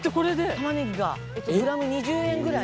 玉ねぎがグラム２０円ぐらい？